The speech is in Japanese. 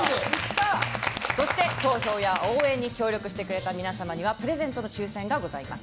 そして投票や応援に協力してくれた皆さんにはプレゼントの抽選がございます。